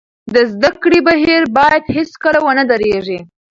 د زده کړې بهیر باید هېڅکله ونه درېږي.